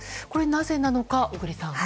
なぜなのか、小栗さん。